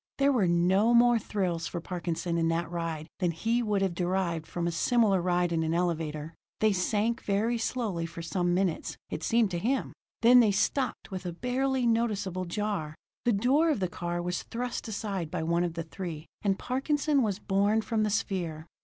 There were no more thrills for Parkinson in that ride than he would have derived from a similar ride in an elevator. They sank very slowly for some minutes, it seemed to him; then they stopped with a barely noticeable jar. The door of the car was thrust aside by one of the three, and Parkinson was borne from the sphere.